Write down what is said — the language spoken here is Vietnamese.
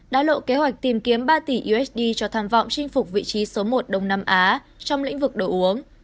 đã lộ kế hoạch tìm kiếm ba tỷ usd cho tham vọng chinh phục vị trí số một đông nam á trong lĩnh vực đồ uống